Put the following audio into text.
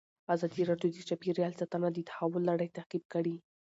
ازادي راډیو د چاپیریال ساتنه د تحول لړۍ تعقیب کړې.